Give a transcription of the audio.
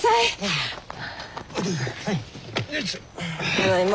ただいま。